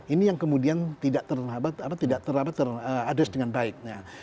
ini yang kemudian tidak terlambat tidak terlambat teradres dengan baik